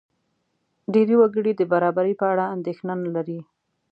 ډېری وګړي د برابرۍ په اړه اندېښنه نه لري.